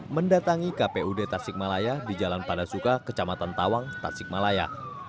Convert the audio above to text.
mendatangi kpud tasikmalaya di jalan padasuka kecamatan tawang tasikmalaya